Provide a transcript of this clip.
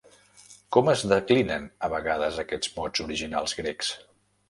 Com es declinen a vegades aquests mots originals grecs?